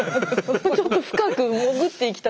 ちょっと深く潜っていきたく。